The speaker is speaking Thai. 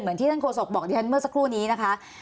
ที่ท่านโฆษกบอกดิฉันเมื่อสักครู่นี้นะคะ